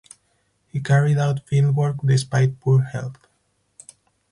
He carried out field work despite poor health.